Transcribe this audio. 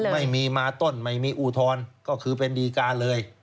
ไม่มีมาต้นไม่มีอุทธรณ์ก็คือเป็นดีการเลย